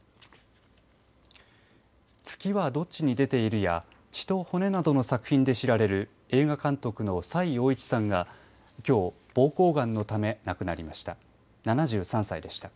「月はどっちに出ている」や「血と骨」などの作品で知られる映画監督の崔洋一さんがきょう、ぼうこうがんのため亡くなりました。